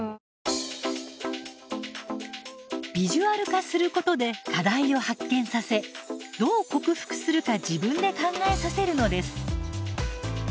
ビジュアル化することで課題を発見させどう克服するか自分で考えさせるのです。